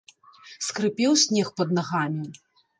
Скрыпеў снег пад нагамі.